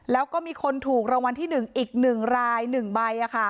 แล้วก็มีคนถูกรางวัลที่หนึ่งอีกหนึ่งรายหนึ่งใบอ่ะค่ะ